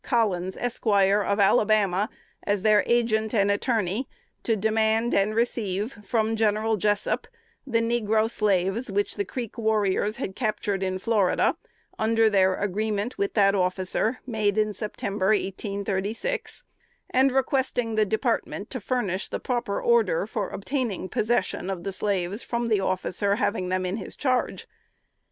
Collins, Esq., of Alabama, their agent and attorney, to demand and receive from General Jessup the negro slaves which the Creek warriors had captured in Florida, under their agreement with that officer, made in September, 1836, and requesting the Department to furnish the proper order for obtaining possession of the slaves from the officer having them in charge.